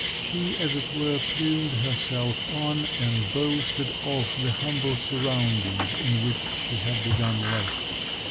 She, as it were, plumed herself on and boasted of the humble surroundings in which she had begun life.